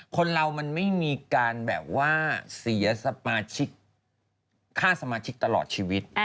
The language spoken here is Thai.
คนเรามันไม่มีการแบบว่าเสียสมาชิกค่าสมาชิกตลอดชีวิต